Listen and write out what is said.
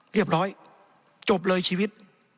เรียบร้อยจบเลยชีวิต